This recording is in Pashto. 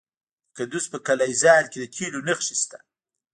د کندز په قلعه ذال کې د تیلو نښې شته.